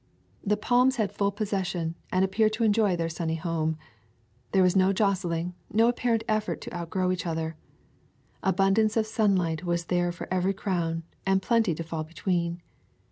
The palms had full possession and appeared to enjoy their sunny home. There was no jostling, no apparent effort to outgrow each other. Abundance of sunlight was there for every crown, and plenty to fall between.